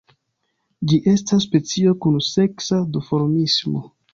Ĝi estas specio kun seksa duformismo.